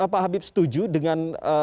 pak habib setuju dengan